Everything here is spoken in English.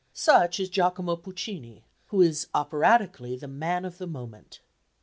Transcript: Such is Giacomo Puccini, who is operatically the man of the moment.